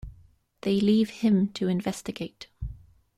They leave him to investigate.